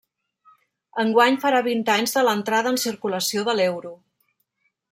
Enguany farà vint anys de l'entrada en circulació de l'euro.